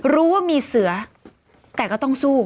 รู้ว่ามีเสือแต่ก็ต้องสู้